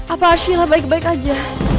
apa arshila baik baik aja